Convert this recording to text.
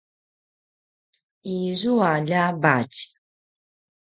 izua ljabatj